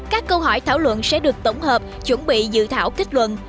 các câu hỏi thảo luận sẽ được tổng hợp chuẩn bị dự thảo kết luận